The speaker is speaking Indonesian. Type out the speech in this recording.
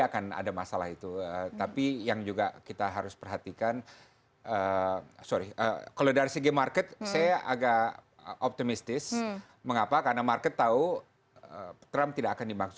kita gak akan efektif